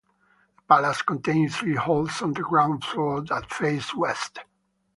The palace contains three halls on the ground floor that face west.